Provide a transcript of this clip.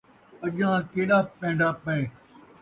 اڄاں کیݙا پینڈا پئے